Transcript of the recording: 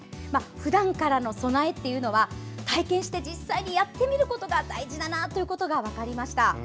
ふだんからの備えは体験して実際にやってみることが大事だなということが分かりました。